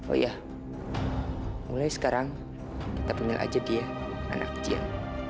oh ya mulai sekarang kita punya aja dia anak kecil